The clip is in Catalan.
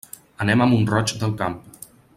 Anem a Mont-roig del Camp.